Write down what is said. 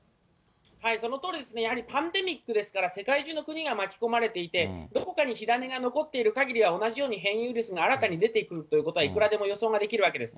そのとおりですね、やはりパンデミックですから、世界中の国が巻き込まれていて、どこかに火種が残っているかぎりは、同じように変異ウイルスが新たに出てくるということは、いくらでも予想ができるわけです。